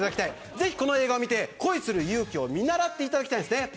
ぜひ、この映画を見て恋する勇気を見習っていただきたいんですね。